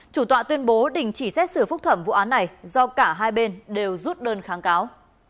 chủ tọa tuyên bố đình chỉ xét xử phúc thẩm vụ án này do cả hai bên đều rút đơn kháng cáo